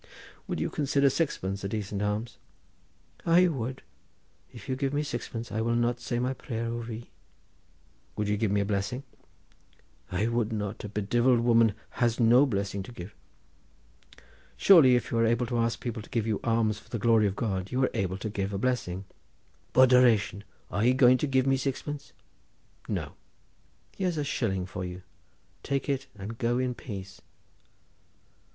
"Would you consider sixpence a decent alms?" "I would. If you give me sixpence, I will not say my prayer over ye." "Would you give me a blessing?" "I would not. A bedivilled woman has no blessing to give." "Surely if you are able to ask people to give you alms for the glory of God, you are able to give a blessing." "Bodderation! are ye going to give me sixpence?" "No! here's a shilling for you! Take it and go in peace."